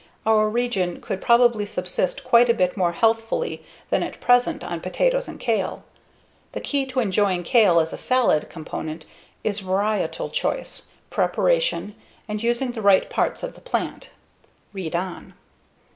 Our region could probably subsist quite a bit more healthfully than at present on potatoes and kale. The key to enjoying kale as a salad component is varietal choice, preparation, and using the right parts of the plant. Read on.